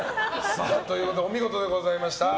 お見事でございました。